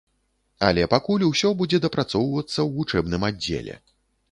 Але пакуль усё будзе дапрацоўвацца ў вучэбным аддзеле.